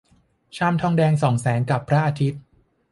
ชามทองแดงส่องแสงกับพระอาทิตย์